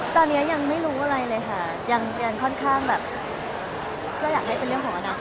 ตอนนี้ยังไม่รู้อะไรเลยค่ะยังค่อนข้างแบบก็อยากให้เป็นเรื่องของอนาคต